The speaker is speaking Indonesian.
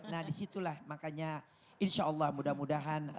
nah disitulah makanya insya allah mudah mudahan